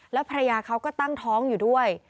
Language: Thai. แล้วภรรยาเขาก็ตั้งท้องอยู่ด้วย